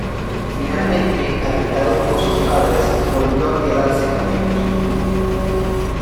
Finalmente, alentado por sus padres volvió a quedarse con ellos.